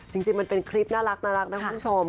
จริงมันเป็นคลิปน่ารักนะคุณผู้ชม